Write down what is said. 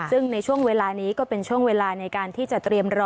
ซึ่งในช่วงเวลานี้ก็เป็นช่วงเวลาในการที่จะเตรียมรอ